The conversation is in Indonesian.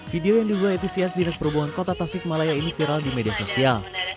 video yang diunggah etcs dinas perhubungan kota tasikmalaya ini viral di media sosial